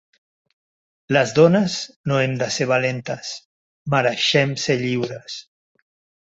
Les dones no hem de ser valentes, mereixem ser lliures.